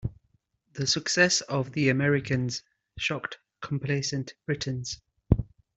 The success of the Americans shocked complacent Britons.